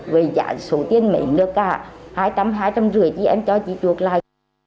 về dạng số tiền mệnh nữa cả hai trăm linh hai trăm năm mươi thì em cho chị chuộc lại